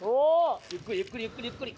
ゆっくりゆっくりゆっくりゆっくり。